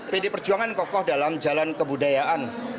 pd perjuangan kokoh dalam jalan kebudayaan